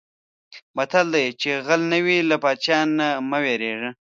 متل دی: چې غل نه وې له پادشاه نه مه وېرېږه.